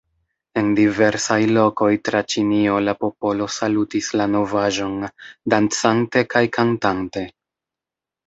En diversaj lokoj tra Ĉinio la popolo salutis la novaĵon, dancante kaj kantante.